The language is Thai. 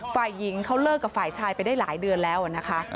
ฝ่ายหญิงเขาเลิกกับฝ่ายชายไปได้หลายเดือนแล้วนะคะ